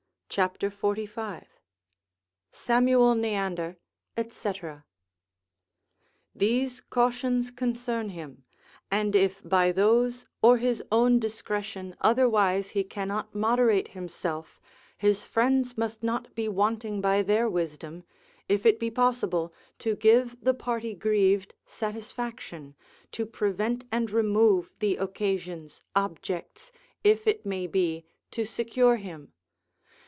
cap. 45. Sam. Neander, &c. These cautions concern him; and if by those or his own discretion otherwise he cannot moderate himself, his friends must not be wanting by their wisdom, if it be possible, to give the party grieved satisfaction, to prevent and remove the occasions, objects, if it may be to secure him.